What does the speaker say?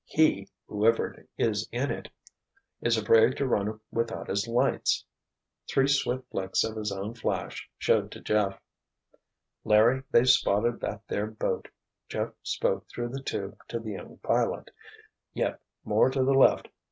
"He—whoever is in it—is afraid to run without his lights." Three swift flicks of his own flash showed to Jeff. "Larry, they've spotted that there boat," Jeff spoke through the tube to the young pilot. "Yep. More to the left.